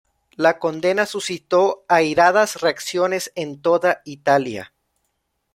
La condena suscitó airadas reacciones en toda Italia.